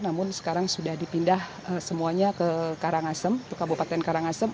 namun sekarang sudah dipindah semuanya ke kabupaten karangasem